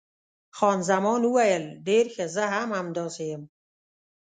خان زمان وویل، ډېر ښه، زه هم همداسې یم.